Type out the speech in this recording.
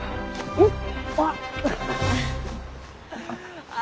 うん。